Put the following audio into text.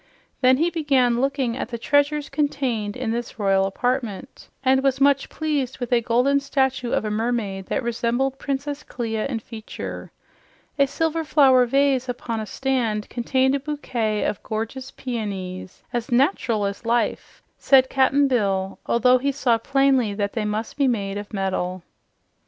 Then he began looking at the treasures contained in this royal apartment, and was much pleased with a golden statue of a mermaid that resembled Princess Clia in feature. A silver flower vase upon a stand contained a bouquet of gorgeous peonies, "as nat'ral as life," said Cap'n Bill, although he saw plainly that they must be made of metal.